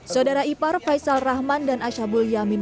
saudara ipar faisal rahman dan asyabul yamin